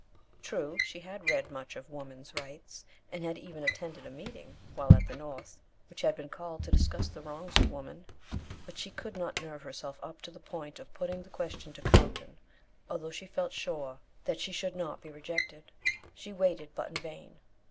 True, she had read much of "woman's rights;" and had even attended a meeting, while at the North, which had been called to discuss the wrongs of woman; but she could not nerve herself up to the point of putting the question to Carlton, although she felt sure that she should not be rejected. She waited, but in vain.